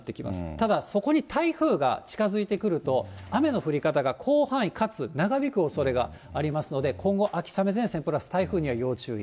ただ、そこに台風が近づいてくると、雨の降り方が広範囲かつ長引くおそれがありますので、今後、秋雨前線プラス台風には要注意。